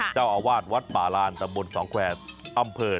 เจ้าอาวาสวัดป่าลานตำบลสองแควร์อำเภอ